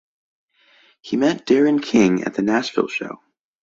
He met Darren King at the Nashville show.